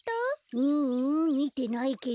ううんみてないけど。